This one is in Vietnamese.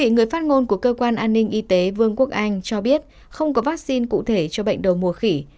người phát ngôn của cơ quan an ninh y tế vương quốc anh cho biết không có vaccine cụ thể cho bệnh đầu mùa khỉ